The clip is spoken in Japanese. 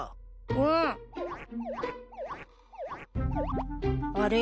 うん。あれ？